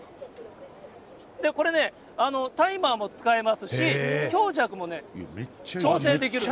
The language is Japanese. これね、タイマーも使えますし、強弱も調整できるんです。